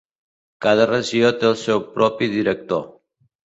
Cada regió té el seu propi director.